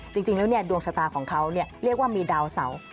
จริงแล้วเนี่ยดวงชะตาของเขาเนี่ยเรียกว่ามีดาวเสา